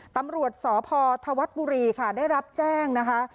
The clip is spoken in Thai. ตำรวจสพธวัฒน์บุรีค่ะได้รับแจ้งนะคะ